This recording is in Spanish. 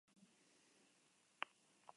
Disponible para descargar.